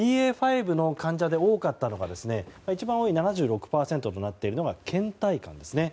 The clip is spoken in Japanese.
ＢＡ．５の患者で多かったのが７６％となっているのが倦怠感ですね。